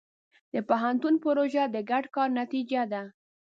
د پوهنتون پروژه د ګډ کار نتیجه ده.